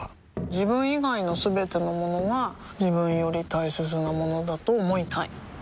自分以外のすべてのものが自分より大切なものだと思いたい